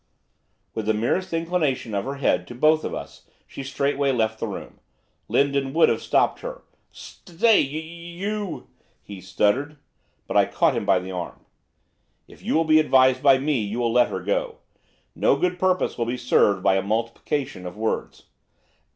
With the merest inclination of her head to both of us she straightway left the room. Lindon would have stopped her. 'S stay, y y y you ' he stuttered. But I caught him by the arm. 'If you will be advised by me, you will let her go. No good purpose will be served by a multiplication of words.